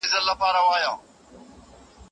هغه ګوتي په اور سوځي چي قلم یې چلولی